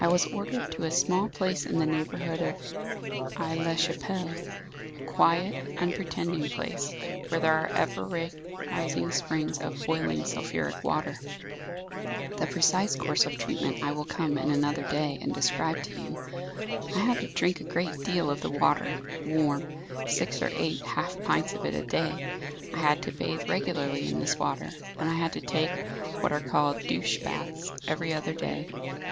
"I was ordered to a small place in the neighbourhood of Aix la Chapelle; a quiet, unpretending place, where there are ever rising springs of boiling, sulphuric water. The precise course of treatment I will come in another day and describe to you. I had to drink a great deal of the water, warm six or eight half pints of it a day; I had to bathe regularly in this water; and I had to take what are called douche baths every other day."